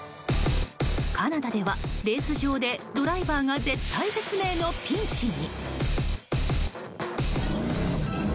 カナダでは、レース場でドライバーが絶体絶命のピンチに。